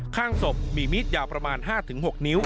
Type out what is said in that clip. ข้างศพมีมีดยาวประมาณ๕๖นิ้ว